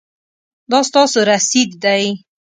دا ستاسو رسید دی